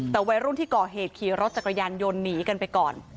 แต่วัยรุ่นที่ก่อเหตุขี่รถจักรยานยนต์หนีกันไปก่อน